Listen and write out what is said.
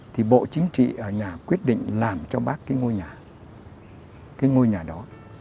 thì bộ chính trị ở nhà quyết định làm cho bác cái ngôi nhà cái ngôi nhà đó